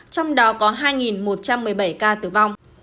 trong đó có hai một trăm một mươi bảy ca tử vong